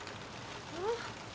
うん？